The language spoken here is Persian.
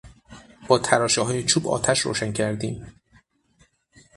با تراشههای چوب آتش روشن کردیم.